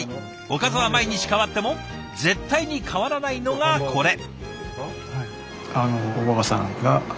おかずは毎日変わっても絶対に変わらないのがこれ。